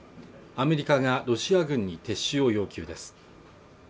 アメリカがロシア軍に撤収を要求です